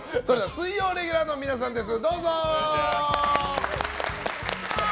水曜レギュラーの皆さんです。